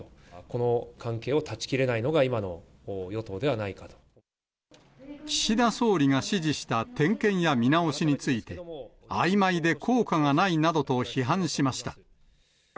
この関係を断ち切れないのが、岸田総理が指示した点検や見直しについて、あいまいで効果がないなどと批判しました。